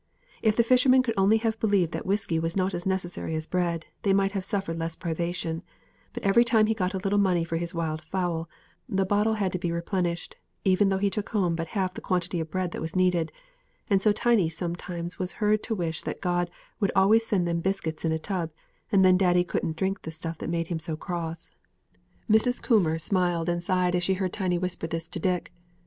If the fisherman could only have believed that whisky was not as necessary as bread, they might have suffered less privation; but every time he got a little money for his wild fowl, the bottle had to be replenished, even though he took home but half the quantity of bread that was needed; and so Tiny sometimes was heard to wish that God would always send them biscuits in a tub, and then daddy couldn't drink the stuff that made him so cross. Mrs. Coomber smiled and sighed as she heard Tiny whisper this to Dick.